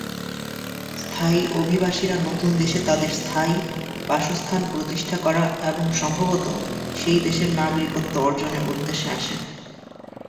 স্থায়ী অভিবাসীরা নতুন দেশে তাদের স্থায়ী বাসস্থান প্রতিষ্ঠা করা এবং সম্ভবত সেই দেশের নাগরিকত্ব অর্জনের উদ্দেশ্যে আসেন।